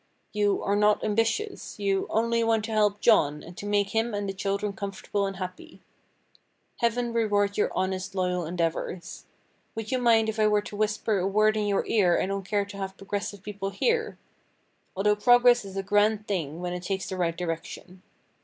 You "are not ambitious;" you "only want to help John, and to make him and the children comfortable and happy." Heaven reward your honest, loyal endeavors! Would you mind if I were to whisper a word in your ear I don't care to have progressive people hear?—although progress is a grand thing when it takes the right direction.